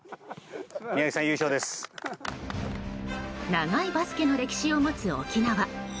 長いバスケの歴史を持つ沖縄。